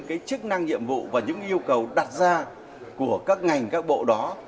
cái chức năng nhiệm vụ và những yêu cầu đặt ra của các ngành các bộ đó